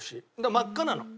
真っ赤なの。